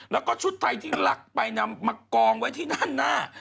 แล้วก็ชุดไทยที่ลักไปนำมากองไว้ที่ด้านหน้า